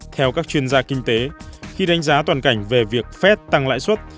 theo các chuyên gia kinh tế khi đánh giá toàn cảnh về việc phép tăng lãi suất